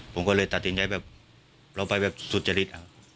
ผมก็เลยตัดสินใจแบบเราไปแบบสุจริต